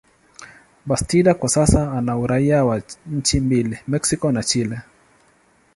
Bastida kwa sasa ana uraia wa nchi mbili, Mexico na Chile.